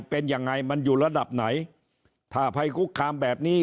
เป็นยังไงมันอยู่ระดับไหนถ้าภัยคุกคามแบบนี้